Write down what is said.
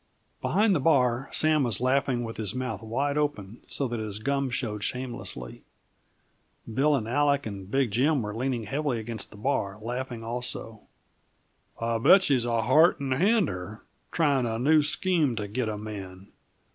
Behind the bar, Sam was laughing with his mouth wide open so that his gum showed shamelessly. Bill and Aleck and Big Jim were leaning heavily upon the bar, laughing also. "I'll bet she's a Heart and Hander, tryin' a new scheme to git a man.